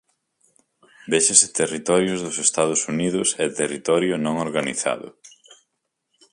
Véxase "territorios dos Estados Unidos" e "territorio non organizado".